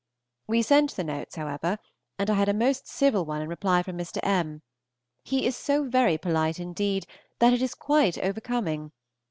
We sent the notes, however, and I had a most civil one in reply from Mr. M. He is so very polite, indeed, that it is quite overcoming.